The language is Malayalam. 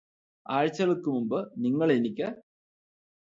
ആഴ്ചകള്ക്കു മുമ്പ് നിങ്ങളെനിക്ക്